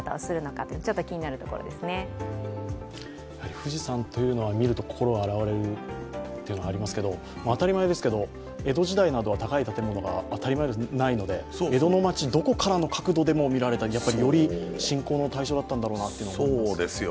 富士山というのは見ると心があらわれるというのがありますけれども、当たり前ですけど、江戸時代などは高い建物はないので江戸の町、どこからの角度からも見られた、信仰の対象だったのかなと思います。